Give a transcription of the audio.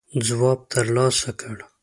ځواب تر لاسه کړ.